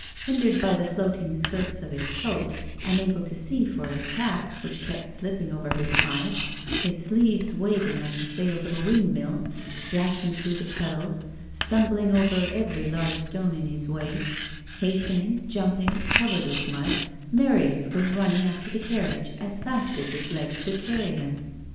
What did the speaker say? Hin dered by the floating skirts of his coat, unable to see for his hat, which kept slipping over his eyes, his sleeves waving like the sails of a windmill, splashing through the puddles, stumbling over every large stone in his way, hastening, jumping, covered with mud, Sarins was running after the caiTiage as fast as his legs could carry him.